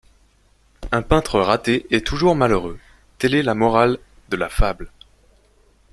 Un peintre raté est toujours malheureux, telle est la morale de la fable.